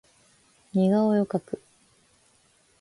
似顔絵を描く